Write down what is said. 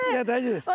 大丈夫。